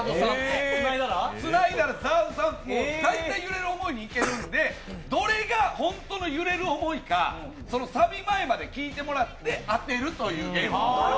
つないだらＺＡＲＤさん、大体「揺れる想い」にいけるんでどれが本当の「揺れる想い」かサビ前まで聴いてもらって当てるというゲーム。